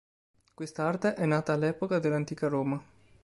Questa arte è nata all'epoca dell'Antica Roma.